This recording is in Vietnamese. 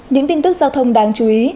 những tin tức giao thông đáng chú ý